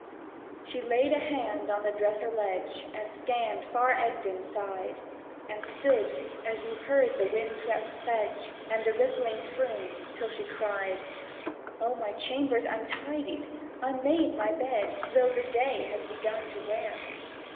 She laid a hand on the dresser ledge, And scanned far Egdon side; And stood; and you heard the wind swept sedge And the rippling Froom; till she cried: "O my chamber's untidied, unmade my bed Though the day has begun to wear!